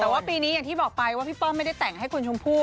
แต่ว่าปีนี้อย่างที่บอกไปว่าพี่ป้อมไม่ได้แต่งให้คุณชมพู่